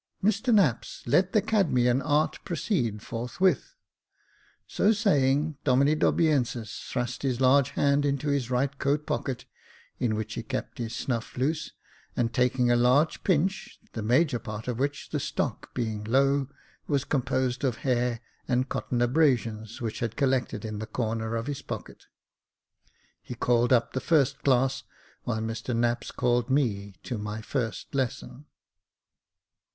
Mr Knapps, let the Cadmean art proceed forthwith." So saying, Domine Dobiensis thrust his large hand into his right coat pocket, in which he kept his snuff loose, and taking a large pinch (the major part of which, the stock being low, was com posed of hair and cotton abrasions, which had collected in the corner of his pocket), he called up the first class, while Mr Knapps called me to my first lesson.